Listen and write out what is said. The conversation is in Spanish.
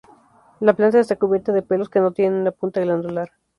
La planta está cubierta de pelos que no tienen una punta glandular.